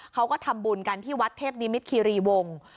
เขาก็ทำบุญกันที่วัดเทพนิมิตคีรีวงศ์